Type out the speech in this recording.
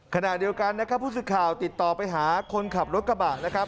ขณะเดียวกันนะครับผู้สื่อข่าวติดต่อไปหาคนขับรถกระบะนะครับ